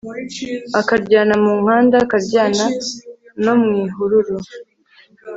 akaryana mu nkanda karyana no mu ihururu